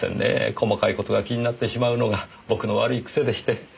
細かい事が気になってしまうのが僕の悪い癖でして。